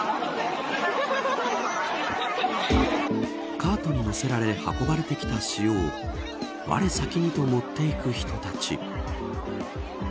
カートに載せられ運ばれてきた塩を我先にと持って行く人たち。